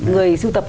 người sưu tập